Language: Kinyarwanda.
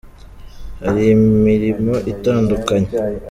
hari imirimo itandukanye.